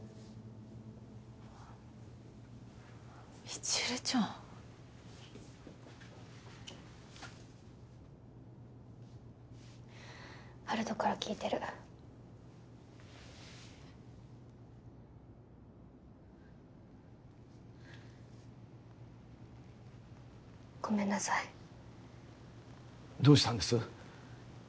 未知留ちゃん温人から聞いてるごめんなさいどうしたんです？